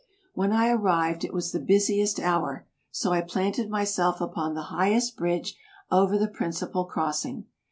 When I arrived it was the busiest hour, so I planted my self upon the highest bridge over the principal crossing.